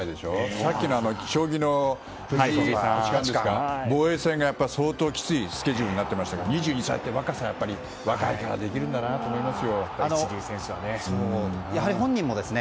さっきの将棋の藤井八冠ですか防衛戦が相当、きついスケジュールになってましたけど２２歳という若さが若いからできるんだなと思います。